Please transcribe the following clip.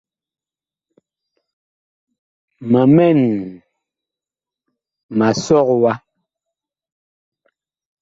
Ma mɛn ma sɔg wa.